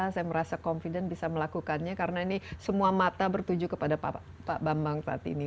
saya merasa confident bisa melakukannya karena ini semua mata bertuju kepada pak bambang saat ini